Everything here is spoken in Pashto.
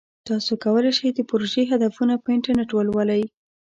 تاسو کولی شئ د پروژې هدفونه په انټرنیټ ولولئ.